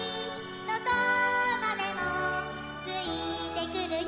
どこまでもついてくるよ」